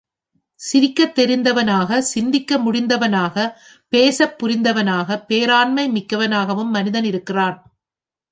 சிரிக்கத் தெரிந்தவனாக, சிந்திக்க முடிந்தனவாக, பேசப் புரிந்தவனாக, பேராண்மை மிக்கவனாகவும் மனிதன் இருக்கிறான்.